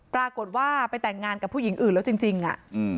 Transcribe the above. ปรากฏว่าไปแต่งงานกับผู้หญิงอื่นแล้วจริงจริงอ่ะอืม